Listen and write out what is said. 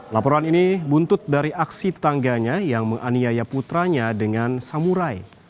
laporan ini buntut dari aksi tetangganya yang menganiaya putranya dengan samurai